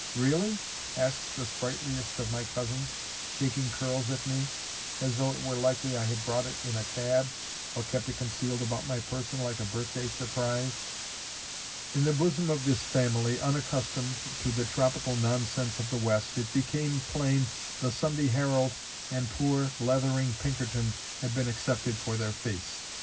Really?" asks the sprightliest of my cousins, shaking curls at me; as though it were likely I had brought it in a cab, or kept it concealed about my person like a birthday surprise. In the bosom of this family, unaccustomed to the tropical nonsense of the West, it became plain the Sunday Herald and poor, blethering Pinkerton had been accepted for their face.